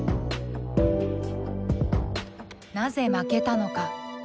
なぜ負けたのか？